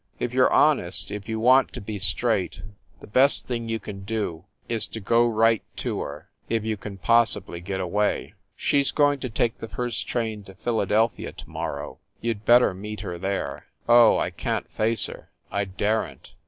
"If you re honest, if you want to be straight, the best thing you can do is to go right to her if you can possibly get away. She s going to take the first train to Philadelphia to morrow. You d better meet her there." "Oh, I can t face her! I daren t!"